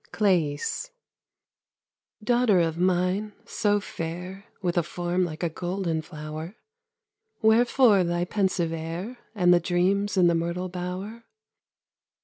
CLËIS Daughter of mine, so fair, With a form like a golden flower, Wherefore thy pensive air And the dreams in the myrtle bower?